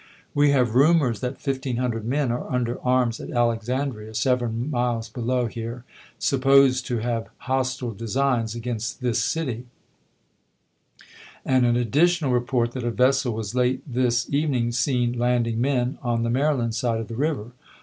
We have rumors that 1500 men are under arms at Alexandria, seven mQes below here, supposed to have hostile designs against this city ; BALTIMOKE 125 and an additional report that a vessel was late this even ing seen landing men on the Maryland side of the river.